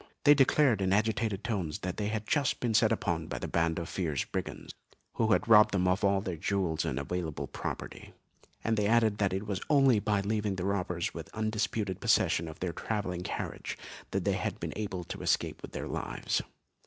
They declared in agitated tones that they had just been set upon by a band of fierce brigands, who had robbed them of all their jewels and available property, and they added that it was only by leaving the robbers in undisputed possession of their travelling carriage that they had been able to escape with their lives.